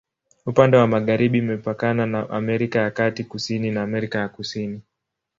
Upande wa magharibi imepakana na Amerika ya Kati, kusini na Amerika ya Kusini.